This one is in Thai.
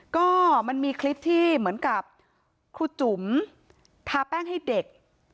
ก็มันมีคลิปที่เหมือนกับครูจุ๋มทาแป้งให้เด็ก